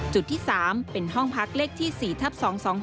จุดที่๓เป็นห้องพักเลขที่๔ทับ๒๒๕๖